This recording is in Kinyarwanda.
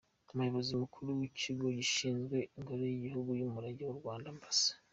Umuyobozi Mukuru w’Ikigo gishinzwe Ingoro z’Igihugu z’Umurage w’u Rwanda, Amb.